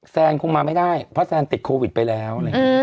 แซนคงมาไม่ได้เพราะแซนติดโควิดไปแล้ว